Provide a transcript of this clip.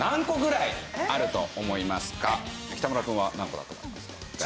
北村くんは何個だと思いますか？